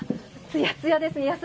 つやつやですね。